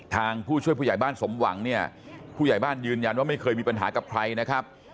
ผู้ช่วยผู้ใหญ่บ้านสมหวังเนี่ยผู้ใหญ่บ้านยืนยันว่าไม่เคยมีปัญหากับใครนะครับ